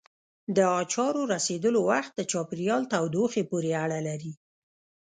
د اچارو رسېدلو وخت د چاپېریال تودوخې پورې اړه لري.